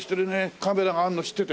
カメラがあるの知ってて。